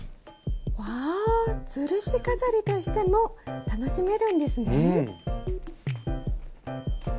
うわぁつるし飾りとしても楽しめるんですね。